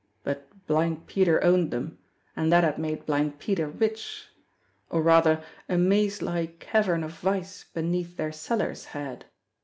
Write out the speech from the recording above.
But Blind Peter owned them, and they had made Blind Peter rich or, rather, a maze like cavern of vice beneath their cellars had.